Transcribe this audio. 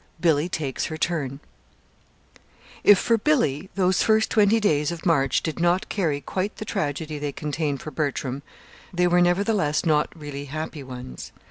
BILLY TAKES HER TURN If for Billy those first twenty days of March did not carry quite the tragedy they contained for Bertram, they were, nevertheless, not really happy ones.